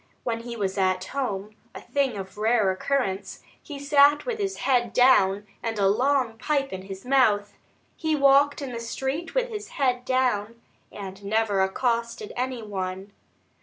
When he was at home a thing of rare occurrence he sat with his head down and a long pipe in his mouth; he walked in the street with his head down, and never accosted any one.